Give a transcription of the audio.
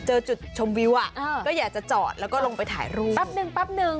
เจอจุดชมวิวอ่ะก็อยากจะจอดแล้วก็ลงไปถ่ายรูปั๊บหนึ่ง